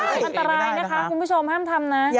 ไม่ได้นะคะคุณผู้ชมห้ามทำนะ